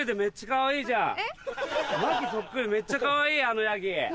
麻貴そっくりめっちゃかわいいあのヤギ。